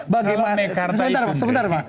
bagaimana sebentar sebentar